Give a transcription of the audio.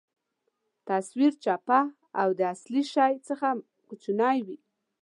تصویر چپه او د اصلي شي څخه کوچنۍ وي.